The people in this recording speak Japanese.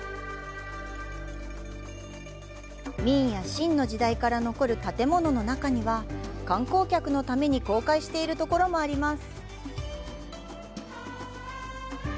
明や清の時代から残る建物の中には、観光客のために公開しているところもあります。